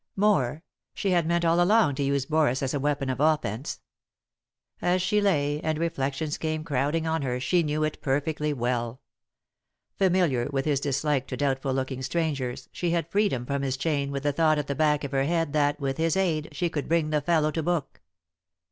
More ; she had meant all along to use Boris as a weapon of offence. As she lay, and reflections came crowding on her, she knew it perfectly well. Familiar ;«y?e.c.V GOOglC THE INTERRUPTED KISS with his dislike to doubtful looking strangers, she had freed him from his chain with the thought at the back of her head that, with his aid, she could bring the fellow to book.